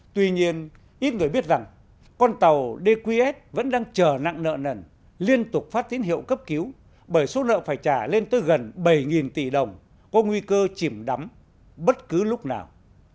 tuy nhiên ít người biết rằng con tàu dqs vẫn đang chờ nặng nợ nần liên tục phát tín hiệu cấp cứu bởi số nợ phải trả lên tới gần bảy tỷ đồng có nguy cơ chìm đắm bất cứ lúc nào